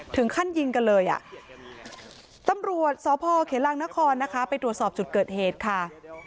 ถึงขั้นยิงกันเลยอ่ะตำรวจสพเขลังนครนะคะไปตรวจสอบจุดเกิดเหตุค่ะ